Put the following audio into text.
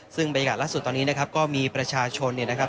ซึ่งบรรยากาศล่าสุดตอนนี้นะครับก็มีประชาชนเนี่ยนะครับ